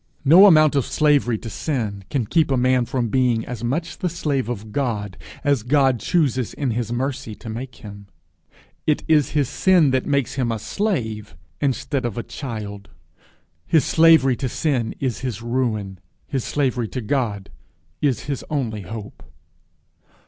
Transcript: No amount of slavery to sin can keep a man from being as much the slave of God as God chooses in his mercy to make him. It is his sin makes him a slave instead of a child. His slavery to sin is his ruin; his slavery to God is his only hope.